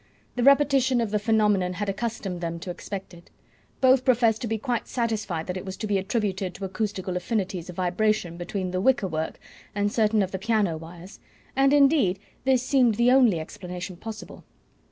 The repetition of the phenomenon had accustomed them to expect it. Both professed to be quite satisfied that it was to be attributed to acoustical affinities of vibration between the wicker work and certain of the piano wires, and indeed this seemed the only explanation possible.